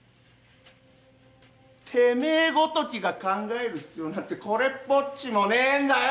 てめえごときが考える必要なんてこれっぽっちもねえんだよ！